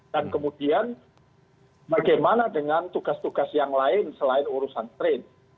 dan kemudian bagaimana dengan tugas tugas yang lain selain urusan trade